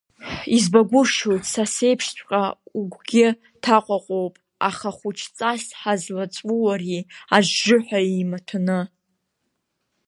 Избагәышьоит, са сеиԥшҵәҟьа угәгьы ҭаҟәаҟәоуп, аха хәыҷҵас ҳазлаҵәуари ажжыҳәа еимаҭәаны…